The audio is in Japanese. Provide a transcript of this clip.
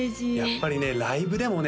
やっぱりねライブでもね